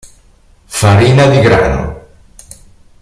Farina di grano